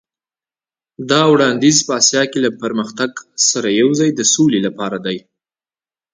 دا وړاندیز په اسیا کې له پرمختګ سره یو ځای د سولې لپاره دی.